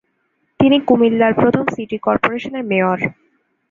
তিনি কুমিল্লার প্রথম সিটি কর্পোরেশনের মেয়র।